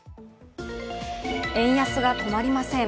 円安が止まりません。